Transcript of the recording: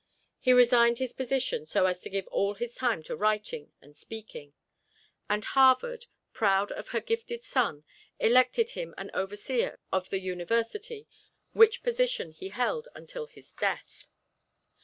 He resigned his position so as to give all his time to writing and speaking. And Harvard, proud of her gifted son, elected him an Overseer of the University, which position he held until his death.